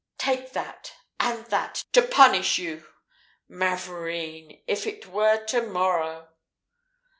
Take that and that, to punish you! Mavourneen if it were to morrow!"